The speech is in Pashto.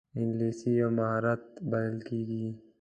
انګلیسي یو مهارت بلل کېږي